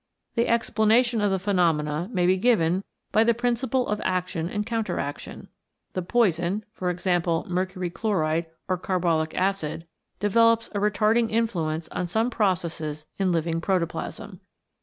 The explanation of the phenomena may be given by the principle of action and counter action. The poison for example, mercury chloride or carbolic acid develops a retarding influence on some processes in living protoplasm.